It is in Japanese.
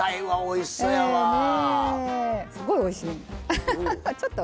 すごい、おいしい。